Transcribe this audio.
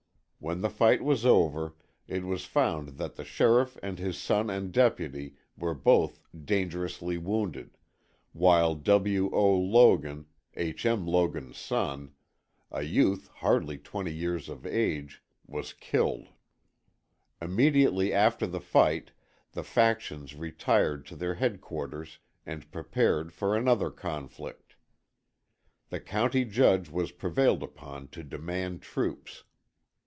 When the fight was over it was found that the sheriff and his son and deputy, were both dangerously wounded, while W. O. Logan, H. M. Logan's son, a youth hardly twenty years of age, was killed. Immediately after the fight the factions retired to their headquarters and prepared for another conflict. The County Judge was prevailed upon to demand troops.